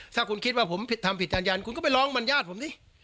ถ้าคุณคิดว่าผมผิดทำผิดจานยันคุณก็ไปร้องบรรยาทผมสิ